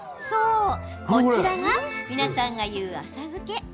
こちらが皆さんがいうあさづけ。